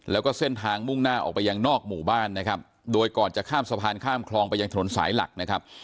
แล้วก็เส้นทางมุ่งหน้าออกไปยังนอกหมู่บ้านนะครับโดยก่อนจะข้ามสะพานข้ามคลองไปยังถนนสายหลักนะครับ